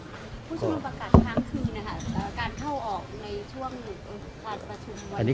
ผู้ชมนุมประกันทั้งคืนนะคะแต่ว่าการเข้าออกในช่วงผ่านประชุมวันนี้